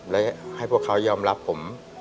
และให้พวกเขายอมรับผม